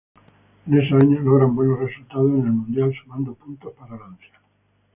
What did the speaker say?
En esos años logra buenos resultados en el mundial sumando puntos para Lancia.